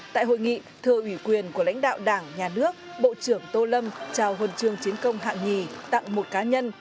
tại hội nghị thưa ủy quyền của lãnh đạo đảng nhà nước bộ trưởng tô lâm trao hồn trường chiến công hạng nhì tặng một cá nhân